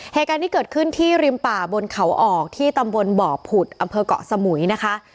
เหตุการณ์ที่เกิดขึ้นที่ริมป่าบนเขาออกที่ตำบลบ่อผุดอำเภอกเกาะสมุยนะคะ